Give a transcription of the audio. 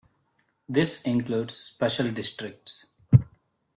This includes special districts.